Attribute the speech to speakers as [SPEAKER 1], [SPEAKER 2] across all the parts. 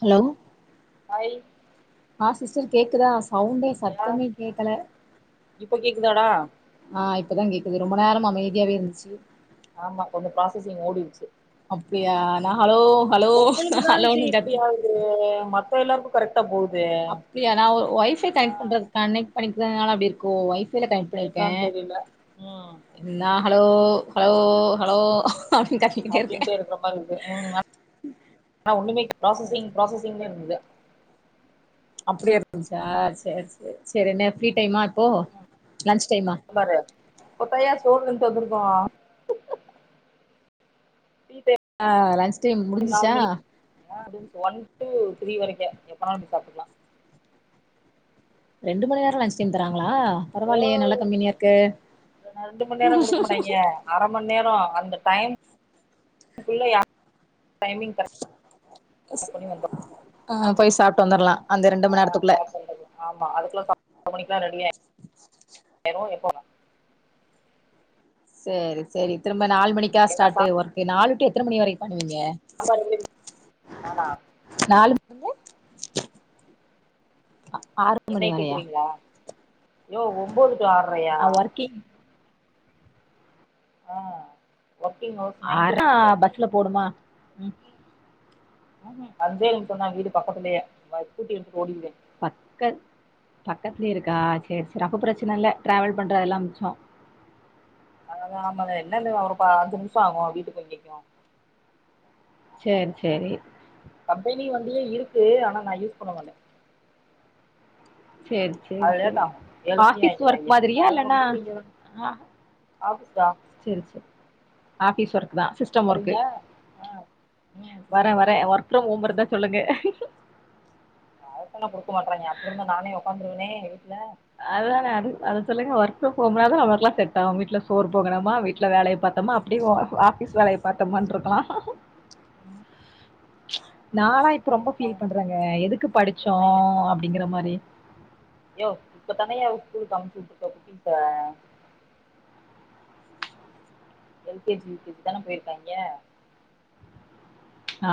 [SPEAKER 1] Hello
[SPEAKER 2] hi
[SPEAKER 1] ஆ sister கேக்குதா சவுண்டே சத்தமே கேக்கல
[SPEAKER 2] இப்போ கேக்குதாடா
[SPEAKER 1] ஆ இப்பதா கேக்குது ரொம்ப நேரம் அமைதியாவே இருந்த்ச்சு
[SPEAKER 2] ஆமா ஒன்னு பாசஸிங் ஓடிர்ச்சு
[SPEAKER 1] அப்டியா நா ஹலோ ஹலோ நா ஹலோன்த
[SPEAKER 2] எ மத்த எல்லார்க்கோ கரெக்ட்டா போத
[SPEAKER 1] அப்டியா நா ஒ ஒய்ஃபை கனெக்ட் பண்றது கனெக்ட் பண்ணிக்கிறதுனால அப்டி இருக்கோ ஒய் ஃபைல கனெக்ட் பண்ணி இருக்கே
[SPEAKER 2] என்னன்னு தெரில ம்
[SPEAKER 1] நா ஹலோ ஹலோ ஹலோ அப்டின் கத்தி
[SPEAKER 2] அப்டின்ட்டே இருக்குற மாரி இருக்கு ம் ஆனா ஒன்னுமே ப்ராசஸிங் ப்ராசஸிங்னே இருந்தது
[SPEAKER 1] அப்டியே இருந்துச்சா சரி சரி சரி என்ன ஃப்ரீ டைமா இப்போ
[SPEAKER 2] ம்,
[SPEAKER 1] லன்ச் டைமா
[SPEAKER 2] பாரு இப்பத்தாயா சோறு திண்ட்டு வந்திருக்கோ ஃப்ரீ டைம்
[SPEAKER 1] அ லன்ச் டைம் முடிஞ்சிச்சா
[SPEAKER 2] அ முடிஞ்ச்சு ஒன் டூ த்ரீ வரைக்கு எப்பனாலு நீ சாப்ட்டுக்லா
[SPEAKER 1] ரெண்டு மண் நேரோ லஞ்ச் டைம் தராங்ளா
[SPEAKER 2] ஓ
[SPEAKER 1] பரவால்லயே நல்ல கம்பெனியா இருக்கு
[SPEAKER 2] ரெண்டு மண் நேரோ குடுக்க மாட்டாய்ங்க அர மண் நேரோ அந்த டைம் குள்ள யா [inaudible] டைமிங் பண்ணி வந்துரு
[SPEAKER 1] அ
[SPEAKER 2] அப்டி
[SPEAKER 1] போய் சாப்ட்டு வந்தரலா அந்த ரெண்டு மண்
[SPEAKER 2] ஆ
[SPEAKER 1] நேரத்துக்குள்ள
[SPEAKER 2] சாப்ட்டு வந்துர்லா ஆமா அதுக்குல்ல சாப்ட்டு [inaudible] மணிக்குலா ரெடியாயிருவோ எப்ப
[SPEAKER 1] சேரி சேரி திரும்ப நாலு
[SPEAKER 2] ம்
[SPEAKER 1] மணிக்கா
[SPEAKER 2] என்ன சா
[SPEAKER 1] ஸ்டார்ட்டு ஒர்க்கு நாலு டு எத்தன மணி வரைக்கு பண்ணுவிங்க
[SPEAKER 2] ஆமா ரெடியாயி நானா
[SPEAKER 1] நாலுல்ருந்து அ ஆறு
[SPEAKER 2] என்னய கேக்கறிங்ளா யோ ஒம்போது டூ ஆறரய்யா
[SPEAKER 1] ஆ ஒர்க்கிங்
[SPEAKER 2] அ ஒர்க்கிங் ஹவர்ஸ் நைன் டூ
[SPEAKER 1] ஆறா
[SPEAKER 2] சிக்ஸ் தேட்டி
[SPEAKER 1] பஸ்ல போடுமா ம்
[SPEAKER 2] ம் ஹு அஞ்சே நிமிஷந்தா வீடு பக்கத்துலயே ஸ்கூட்டி எடுத்துட்டு ஓடிருவே
[SPEAKER 1] பக்க பக்கத்துலயே இருக்கா சேர் சேர் அப்ப பிரச்சன இல்ல டிராவல் பண்றதெல்லா மிச்சோ
[SPEAKER 2] அததா ஆமாங்க என்ன ஒரு பத்து நிமிஷோ ஆகுமா வீட்டுக்கு இங்கைக்கு
[SPEAKER 1] சேரி சேரி
[SPEAKER 2] கம்பெனி வண்டியே இருக்கு ஆனா நா யூஸ் பண்ண மாட்ட
[SPEAKER 1] சேர் சேர்
[SPEAKER 2] அது லேட்
[SPEAKER 1] செரி
[SPEAKER 2] ஆகும் ஏழு மணி
[SPEAKER 1] ஆஃபீஸ் ஒர்க்
[SPEAKER 2] ஆக்கிடுவாங்க
[SPEAKER 1] மாதிரியா
[SPEAKER 2] அதனால நம்ம
[SPEAKER 1] இல்லனா
[SPEAKER 2] வீடு இங்க ஆஃபீஸ் தா
[SPEAKER 1] செரி செ ஆஃபீஸ் ஒர்க் தா சிஸ்டம் ஒர்க்கு
[SPEAKER 2] வரிங்ளா அ ம் சிஸ்டம் ஒர்க்கு
[SPEAKER 1] அப்றம் ஓ மொறதா சொல்லுங்க
[SPEAKER 2] அதத்தான குடுக்க மாட்றாங்க அப்டிருந்தா நானே உக்காந்துருவனே வீட்ல
[SPEAKER 1] அதுதான அது அத சொல்லுங்க ஒர்க் ஃப்ரம் ஹோம்னாதா நம்மளுக்லா செட்டாகு வீட்ல சோறு பொங்கணுமா வீட்ல
[SPEAKER 2] ம்
[SPEAKER 1] வேலய பாத்தோமா அப்டி ஆஃபீஸ் வேலய பாத்தமான்
[SPEAKER 2] ம்
[SPEAKER 1] இருக்லா
[SPEAKER 2] ம்
[SPEAKER 1] நாலா இப்ப ரொம்ப
[SPEAKER 2] எல்லாமே
[SPEAKER 1] ஃபீல் பண்றங்க எதுக்கு படிச்சோ
[SPEAKER 2] சொன்னேனே
[SPEAKER 1] அப்டிங்கற மாரி
[SPEAKER 2] யோவ் இப்போ தானய்யா ஸ்கூலுக்கு அமிச்சுட்ருக்கோ குட்டீஸ L K G U K G தான போயிருக்காய்ங்க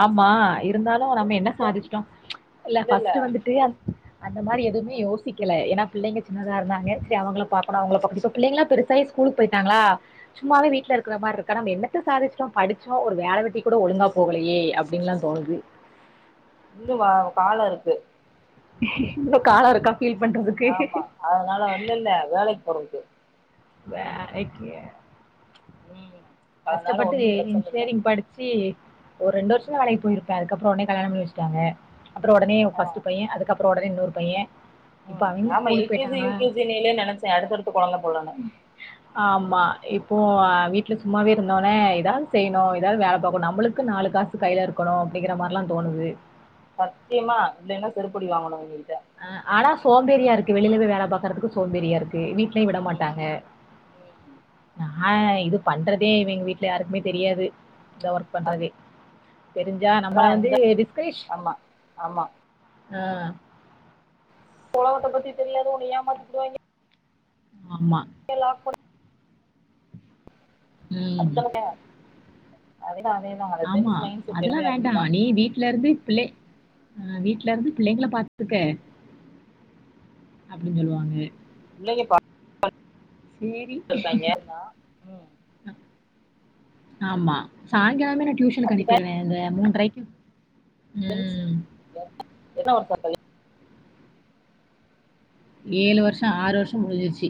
[SPEAKER 1] ஆமா இருந்தாலு
[SPEAKER 2] ஒரு
[SPEAKER 1] நம்ம என்ன
[SPEAKER 2] நிமிஷோ
[SPEAKER 1] சாதிச்சுட்டோ இல்ல ஃபஸ்ட்டு வந்துட்டு அந்த மாரி எதுமே
[SPEAKER 2] ம்
[SPEAKER 1] யோசிக்கில ஏனா பிள்ளைங்க சின்னதா இருந்தாங்க செரி அவுங்கள பாக்லா அவுங்கள பாக்க சோ பிள்ளங்களா பெருசாயி ஸ்கூலுக் போயிட்டாங்ளா சும்மாவே
[SPEAKER 2] ம்
[SPEAKER 1] வீட்ல இருக்கிற மார் இருக்கு நம்ம என்னத்த சாதிச்சிட்டோ படிச்சோ ஒரு வேல வெட்டிக் கூட ஒழுங்கா போகலியே அப்டின்லா தோணுது
[SPEAKER 2] இன்னுவா கால இருக்கு
[SPEAKER 1] இன்னு கால இருக்கா ஃபீல் பண்றதுக்கு
[SPEAKER 2] ஆமா அதனால ஒண்ணு இல்ல வேலக்கி போறதுக்கு
[SPEAKER 1] வேலைக்கு
[SPEAKER 2] ம் அதனால
[SPEAKER 1] கஷ்டப்பட்டு
[SPEAKER 2] ஒன்னு பிரச்சன இல்ல
[SPEAKER 1] இன்ஜினியரிங் படிச்சி ஒரு ரெண்டு
[SPEAKER 2] ம்
[SPEAKER 1] வருஷந்தா போயிருப்பே அதுக்கப்பற ஒடனே கல்யாண பண்ணி வெச் சிட்டாங்க அப்பறொ ஒடனே
[SPEAKER 2] ஆ
[SPEAKER 1] ஃபஸ்ட் பைய அதுக்கப்பறொ ஒடனே இன்னொரு பைய
[SPEAKER 2] ம் ஆமா L K G U K G லிலே நெனச்ச அடுத்தடுத்து கொழந்த போலன்னு
[SPEAKER 1] ஆமா இப்போ வீட்ல சு சும்மாவவே இருந்தோனே எதாது செய்ணு எதாது வேல பாக்கணு நம்ளுக்கு நாலு காசு கைல இருக்கணு அப்டிங்கிற மாரிலா தோனுது
[SPEAKER 2] சத்தியமா இல்லின்னா செருப்படி வாங்கணு இவுங்க்கிட்ட
[SPEAKER 1] ஆ ஆனா சோம்பேறியா இருக்கு வெளில போயி வேல பாக்கறதுக்கு சோம்பேறியா இருக்கு க்கு வீட்லியு விட
[SPEAKER 2] ம்
[SPEAKER 1] மாட்டாங்க
[SPEAKER 2] ம்
[SPEAKER 1] ஆ ஆ இது பண்றதே இவிங்க வீட்ல யாருக்குமே தெரியாது இந்த ஒர்க் பண்றதே தெரிஞ்சா நம்மள வந்து டிஸ்கரிஷ்
[SPEAKER 2] ஆமா ஆமா
[SPEAKER 1] ஆ
[SPEAKER 2] ஒலகத்த பத்தி தெரியாது ஒன்ன ஏமாத்திபுடுவாய்ங்க
[SPEAKER 1] ஆமா
[SPEAKER 2] ஏ லாக் போடு
[SPEAKER 1] ம்
[SPEAKER 2] அத்தலுமே அதேதா அதே
[SPEAKER 1] ஆமா அதெல்லா வேண்டா நீ வீட்லருந்து பிள்ளே ஆ வீட்லருந்து பிள்ளைங்கள பாத்துக்க அப்டின் சொல்லுவாங்க
[SPEAKER 2] பிள்ளைக பா
[SPEAKER 1] சேரி
[SPEAKER 2] ம்
[SPEAKER 1] ஆமா சாய்ங்காலமே நா டியூஷனுக்கு
[SPEAKER 2] அப்படித்தா
[SPEAKER 1] அனுப்பிருவே இந்த மூன்றைக்
[SPEAKER 2] ஃப்ரண்ஸ் என்ன என்னா ஒர்க் பாக்கதே
[SPEAKER 1] ஏழு வருஷோ ஆறு வருஷோ முடிஞ்சிர்ச்சி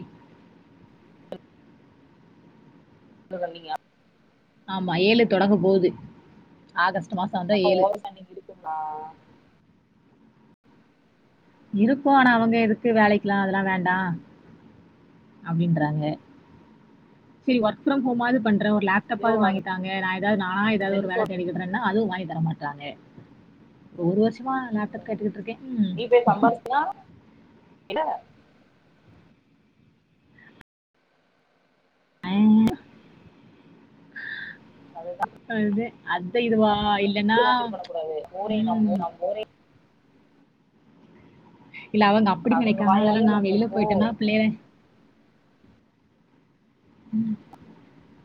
[SPEAKER 2] இல்ல ரன்னிங்கா
[SPEAKER 1] ஆமா ஏழு தொடங்க போது ஆகஸ்ட்டு மாசோ
[SPEAKER 2] அப்ப ஓவர் சன்டிங் இருக்குங்ளா
[SPEAKER 1] இருக்கு ஆனா அவுங்க எதுக்கு வேலைக்லா அதெலா வேண்டா அப்பிடின்றாங்க சி ஒர்க்ஃப்ரம் ஹோமாது பண்றே ஒரு
[SPEAKER 2] யோ
[SPEAKER 1] லேப்டாப்பாது வாங்கி தாங்க நா எதாது நானா எதாது ஒரு வேல தேடிக்கிக கிறன்னா அதுவு வாங்கி தரமாட்றாங்க ஒரு வருஷமா லேப்டாப் கேட்டுக்கிட்டுருக்கே ம்
[SPEAKER 2] யா ஏ
[SPEAKER 1] ஐய்
[SPEAKER 2] அதுதா
[SPEAKER 1] அதே அத்த இதுவா இல்
[SPEAKER 2] இது ஹேண்டில் பண்ண கூடாது ஊரை நம்பு நம் ஊரை
[SPEAKER 1] இல்ல அவுங்க அப்பிடி
[SPEAKER 2] அவங்க
[SPEAKER 1] நெனைக்காங்ளா
[SPEAKER 2] வாயாலே
[SPEAKER 1] நா
[SPEAKER 2] நம்ம
[SPEAKER 1] வெளில போயிட்டேனா பிள்ளைல ம்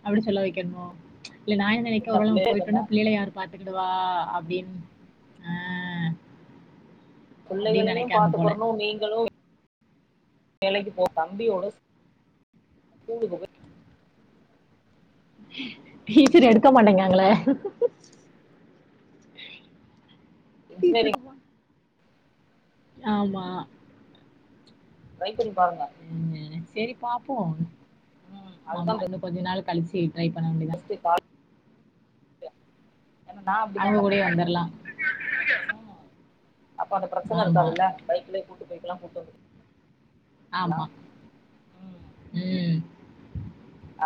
[SPEAKER 1] அப்பிடி சொல்ல வைக்கனுமோ இல்ல நா என்ன நெனைக்க ஒரு வேல
[SPEAKER 2] பிள்ளைய இருக்குன்னா
[SPEAKER 1] போயிட்டனோ பிள்ளைல யாரு பாத்துக்கிடுவா அப்டின் அ
[SPEAKER 2] புள்ளைகளையு பாத்துக்கிறனு நீங்களு வேலக்கி போ தம்பியோட ஸ்கூலுக்கு போயி
[SPEAKER 1] டீச்சர் எடுக்க மாட்டேங்காய்களே? டீச்சிருக்
[SPEAKER 2] இன்ஜினியரிங் ம்
[SPEAKER 1] ஆமா
[SPEAKER 2] ட்ரை பண்ணி பாருங்க.
[SPEAKER 1] சேரி பாப்போ
[SPEAKER 2] ம்
[SPEAKER 1] ஆமா இன்னு கொஞ்ச நாள் கழிச்சி
[SPEAKER 2] ஃபஸ்ட் கால்க்கு ஏனா நா அப்பிடிதா
[SPEAKER 1] அவங்க
[SPEAKER 2] பண்ணே
[SPEAKER 1] கூடயே
[SPEAKER 2] அதுக்குதா
[SPEAKER 1] வந்துரலாம்.
[SPEAKER 2] சொன்னே ம் அப்ப அந்த பிரச்சன
[SPEAKER 1] ஆமா,
[SPEAKER 2] இருக்காதுல்ல பைக்கலே கூட்டு போய்க்கலா கூட்டு வந்
[SPEAKER 1] ஆமா ம்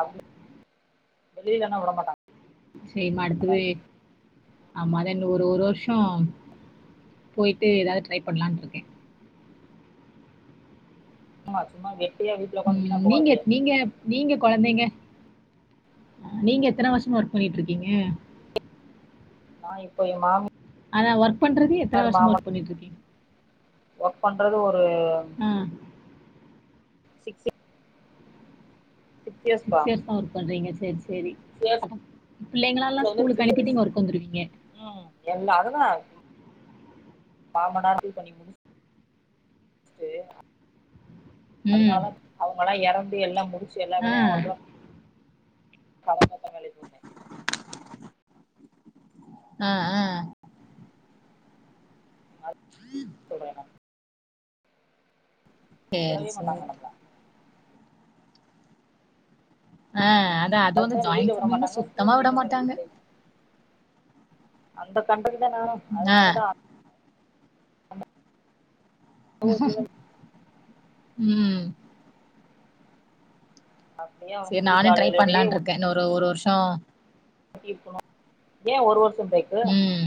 [SPEAKER 2] அப்பி வெளிலனா உடமாட்டா
[SPEAKER 1] சேமா அடுத்தது அம்மாதா இன்னு ஒரு ஒரு வருஷோ போயிட்டு ஏதாவது ட்ரை பண்ணலான்னு இருக்கேன்.
[SPEAKER 2] ஆமா சும்மா வெட்டியா வீட்ல உக்காந்து
[SPEAKER 1] ம்.
[SPEAKER 2] வீணா
[SPEAKER 1] நீங்க
[SPEAKER 2] போகாதிக
[SPEAKER 1] நீங்க நீங்க கொழந்தைங்க நீங்க எத்தன வருஷமா ஒர்க் பண்ணிட்டு இருக்கீங்க?
[SPEAKER 2] நா இப்போ என் மாமி
[SPEAKER 1] அதா ஒர்க் பண்றது எத்தன வருசமா ஒர்க் பண்ணி இருக்கீங்க?
[SPEAKER 2] ஒர்க் பண்றது ஒரு
[SPEAKER 1] ம்
[SPEAKER 2] சிக்ஸ்
[SPEAKER 1] சிக்ஸ் இயர்ஸ் தான் ஒர்க் பண்றீங்க சேரி சேரி
[SPEAKER 2] சிக்ஸ்
[SPEAKER 1] அப்போ
[SPEAKER 2] இயர்ஸ்ல
[SPEAKER 1] பிள்ளைங்கள எல்லாம்
[SPEAKER 2] வந்து
[SPEAKER 1] ஸ்கூலுக்கு
[SPEAKER 2] த்ரீ
[SPEAKER 1] அனுப்பிட்டு
[SPEAKER 2] இயர்ஸ்
[SPEAKER 1] நீங்க ஒர்க் வந்துருவீங்க.
[SPEAKER 2] ம் எல்லாருக்கு அது மாமனார் இப்ப நீ முடிச்சுட்டு
[SPEAKER 1] ம்.
[SPEAKER 2] அதனால அவுங்கலாம் யெறந்து எல்லாம் முடிச்சு எல்லா
[SPEAKER 1] ஆ.
[SPEAKER 2] வேலையும் அவுங்கள்லாம் [inaudible]
[SPEAKER 1] ஆஹ்ஹ
[SPEAKER 2] சொல்றாங்க
[SPEAKER 1] சேரி
[SPEAKER 2] விடவே
[SPEAKER 1] சேரி
[SPEAKER 2] மாட்டாங்க நம்மள
[SPEAKER 1] ஆ அதா
[SPEAKER 2] அப்ரோ வெளில வுட மாட்டாங்க, ஸ்கூல் விட்டு [inaudible] அந்த கண்டக்கு நானும்
[SPEAKER 1] ஆ ம்
[SPEAKER 2] அப்டியே அவுங்க வீட்டாளுளவே ஒட்
[SPEAKER 1] தென்ன ஒரு ஒரு வர்ஷோம்
[SPEAKER 2] இப்போ யென் ஒரு வருஷோம் போய்ட்டு
[SPEAKER 1] ம்.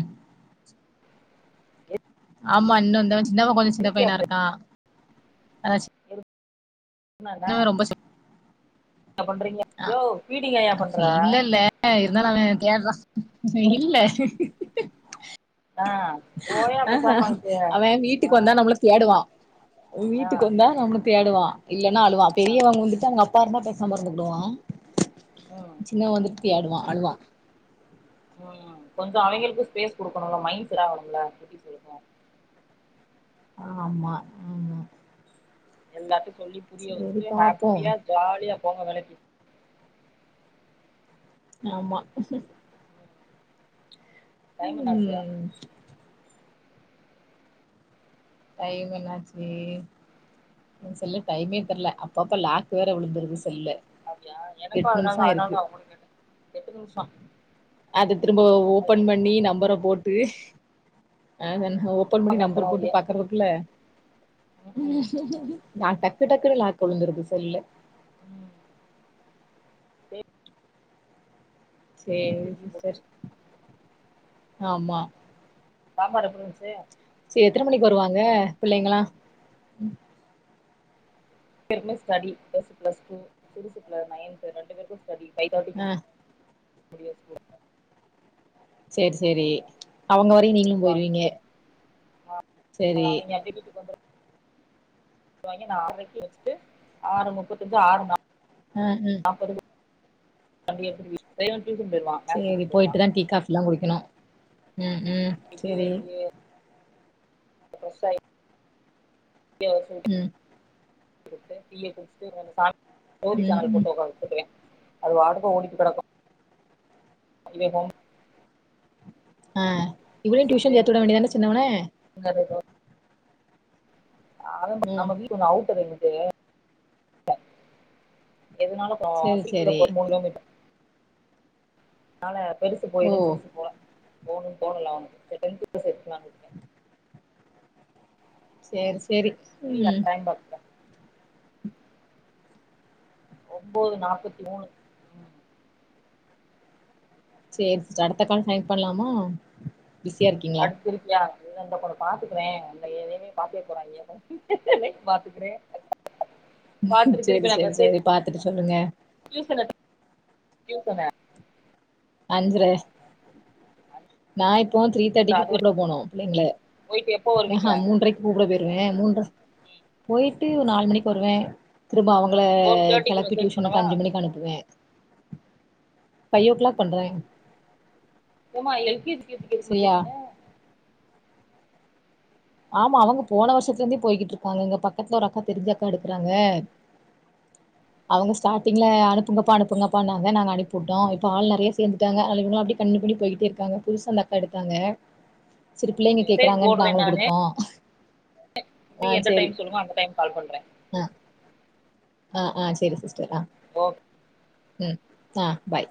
[SPEAKER 1] ஆமா இன்னும் இந்த சின்னவன் கொஞ்சோம் சின்ன
[SPEAKER 2] இருக்கியா
[SPEAKER 1] பையனா
[SPEAKER 2] அப்படி
[SPEAKER 1] இருக்கான் அ
[SPEAKER 2] சின்னவன்னா
[SPEAKER 1] சின்
[SPEAKER 2] என்ன பண்றீங்க
[SPEAKER 1] ஆ.
[SPEAKER 2] யோவ் பீடிங் ஏன்யா பண்ற?
[SPEAKER 1] இல்ல இல்ல இருந்தாலும் அவேன் தேட்றான் இல்ல
[SPEAKER 2] ஆ போயா
[SPEAKER 1] அ அ
[SPEAKER 2] பேசாம அங்க
[SPEAKER 1] அவன்
[SPEAKER 2] ஆ
[SPEAKER 1] வீட்டுக்கு வந்தா நம்மள தேடுவான்
[SPEAKER 2] ஆ
[SPEAKER 1] வீட்டுக்கு வந்தா நம்ள தேடுவான் இல்லன்னா அழுவான் பெரியவன் வந்துட்டு அவுங்க அப்பா இருந்தா பெசாம இருந்துகுடுவான்.
[SPEAKER 2] ம்
[SPEAKER 1] சின்னவேன் வந்துட்டு தேடுவான், அழுவான்.
[SPEAKER 2] ம் கொஞ்சோம் அவிங்களுக்கும் ஃபேஸ் குடுக்குணும்ல மைண்ட் செட் ஆவணும்ல எப்பிடி சொல்லுற
[SPEAKER 1] ஆமா ம்
[SPEAKER 2] எல்லாத்தையும் சொல்லி புரிய
[SPEAKER 1] சரி
[SPEAKER 2] வெச்சிட்டு
[SPEAKER 1] பாப்போம்
[SPEAKER 2] ஹப்பியா ஜாலியா போங்க வேலைக்கு.
[SPEAKER 1] ஆமா
[SPEAKER 2] ம் டைம் என்னாச்சு
[SPEAKER 1] ம் டைம் என்னாச்சு நீ சொல்லு டைமே தெர்ல அப்பப்ப லாக்கு வேற விழுந்துருது செல்ல
[SPEAKER 2] அப்டியா எனக்கும் அதனால அதனால தான் உங்கள கேட்டேன் எட்டு நிமிஷோம்
[SPEAKER 1] அத திரும்பவும் ஓபன் பண்ணி நம்பர போட்டு ஓப்பன் பன்னி நம்பர் போட்டு
[SPEAKER 2] கண்டுறாங்க
[SPEAKER 1] பாக்றகுல்ல
[SPEAKER 2] ம் ம் ம்
[SPEAKER 1] நா டக்கு டக்குனு லாக் விழுந்துருது செல்ல
[SPEAKER 2] ம்
[SPEAKER 1] சேரி சிஸ்டர் ஆமா
[SPEAKER 2] சாம்பார் எப்டி இருந்துச்சு
[SPEAKER 1] சே எத்தன மணிக்கு வருவாங்க பிள்ளைங்ளா
[SPEAKER 2] ரெண்டு பேருக்குமே ஸ்டடி பெருசு ப்ளஸ் டூ சிருசு புள்ள நைன்து ரெண்டு பேருக்கு ஸ்டடி ஃபைவ் தேட்டிக்கு
[SPEAKER 1] ஆ
[SPEAKER 2] முடியு ஸ்கூல்
[SPEAKER 1] செரி செரிஅவுங்க வரயில நீங்களு போயிருவீங்க
[SPEAKER 2] அவங்க
[SPEAKER 1] செரி
[SPEAKER 2] எட்ரைக்கி வீட்டுக்கு வந்துரு வாங்க நா ஆறுக்கு வச்சுட்டு ஆறு முப்பத்தஞ்சு ஆறு நால்
[SPEAKER 1] ம் ம்
[SPEAKER 2] நாப்பாதுக் [unintelligible] டியூஷன் போய்றுவா
[SPEAKER 1] சேரி போயிட்டு தா டீ காபி எல்லா குடிக்கணு ம் ம்
[SPEAKER 2] எது
[SPEAKER 1] சேரி
[SPEAKER 2] எப்டியோ பெர்சாய்
[SPEAKER 1] ம்
[SPEAKER 2] [unintelligible] டீய குடிச்சுட்டு டூரி
[SPEAKER 1] ம்
[SPEAKER 2] சேனல்
[SPEAKER 1] ம்
[SPEAKER 2] போட்டு உக்காரு அது பாட்டுக்கு ஓடிகிட்டு கெடக்கு இது ஹோம்
[SPEAKER 1] ஆ இவனையு டியூசன் சேத்து விட வேண்டிதான சின்னவனெ
[SPEAKER 2] ந [unintelligible]
[SPEAKER 1] ம்
[SPEAKER 2] நம்ம வீட் அவுட்டர் வந்து எதுனாலு ஆ
[SPEAKER 1] சேரி
[SPEAKER 2] சீக்குள்ள
[SPEAKER 1] சேரி
[SPEAKER 2] போ மூணு கிலோ மீட்டர் னால பெருசு
[SPEAKER 1] ஓ
[SPEAKER 2] போயிடு சிருசு போல போகணு தோணல அவனுக்கு செரி டென்த்துக்கு சேத்துதுகலானு
[SPEAKER 1] சேரி சேரி
[SPEAKER 2] ஃப்ரீயா
[SPEAKER 1] ம்
[SPEAKER 2] டைம் ஓர்க் ஒம்போது நாப்பத்தி மூணு ம்
[SPEAKER 1] சேரி அடுத்த கால் கானேக்ட் பண்ணலாமா பிஸியா இருக்கீங்ளா
[SPEAKER 2] இருக்கியா இந்த கூட பாத்துக்றே அந்த எதையுமே பாத்தே போறாங்கெ பாத்துக்கிறே பாத்துட்டு
[SPEAKER 1] செரி செரி செரி பாத்துட்டு சொல்லுங்க
[SPEAKER 2] டியூசனு டியூசனு
[SPEAKER 1] அஞ்சரெ நா இப்போ த்ரீ தேட்டிக்கு
[SPEAKER 2] அது
[SPEAKER 1] கூப்பட
[SPEAKER 2] வரைக்கு
[SPEAKER 1] போனு புள்ளைங்கள
[SPEAKER 2] போயிட்டு எப்போ
[SPEAKER 1] ஆ
[SPEAKER 2] வருவீங்க
[SPEAKER 1] அ மூன்ரைக் கூப்பட போயிடுவே மூன்ற போயிட்டு நாலு மணிக்கு வருவே திரும்ப அவுங்கள
[SPEAKER 2] ஃபோர் தேர்ட்டிக்கு
[SPEAKER 1] கெளப்பி
[SPEAKER 2] மெசேஜ்
[SPEAKER 1] டியூஷனுக்கு
[SPEAKER 2] பண்ணவா
[SPEAKER 1] அஞ்சு மணிக்கு அனுப்புவே ஃபைவ் ஓ கிளாக் பண்றே
[SPEAKER 2] ஏமா L K G U K G க்கு எதுக்கு மா
[SPEAKER 1] சரியா
[SPEAKER 2] டியூஷனு
[SPEAKER 1] ஆமா அவுங்க போன வருஷத்துல இருந்தே போய்கிட்டு இருக்காங்க இங்க பக்கத்துல ஒரு அக்கா தெரிஞ்ச அக்கா எடுக்கறாங்க அவுங்க ஸ்டார்டிங்ல அனுப்புங்கப்பா அனுப்புங்கப்பா னாங்க நாங்க அனுப்பி விட்டோ இப்ப ஆள் நெறைய சேந்துட்டாங்க அதுகளு அப்டியே கன்டினியு பண்ணி போயிட்டே இருக்காங்க புதுசா அந்தக்கா எடுத்தாங்க செரி புள்ளைங்க கேக்றாங்கனு நாங்களு குடுத்
[SPEAKER 2] ஃப்ரீ எந்த
[SPEAKER 1] சேரி
[SPEAKER 2] டைம் சொல்லுங்க அந்த டைம் கால் பண்ற
[SPEAKER 1] ஆ ஆ ஆ செரி சிஸ்டர் ஆ
[SPEAKER 2] ஓக்
[SPEAKER 1] ம் ஆ பாய்